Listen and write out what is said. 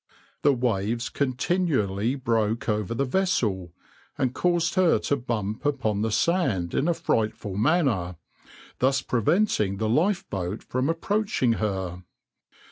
The waves continually broke over the vessel, and caused her to bump upon the sand in a frightful manner, thus preventing the lifeboat from approaching her.